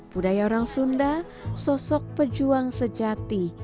budaya orang sunda sosok pejuang sejati